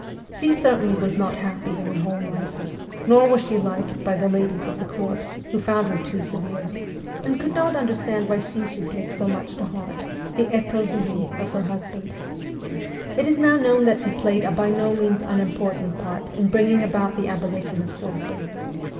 She certainly was not happy in her home life ; nor was she liked by the ladies of the court, who found her too severe, and could not understand why she should take so much to heart the ttourderies of her husband. It is now known that she played a by no means unimportant part in bringing about the aboli tion of serfdom.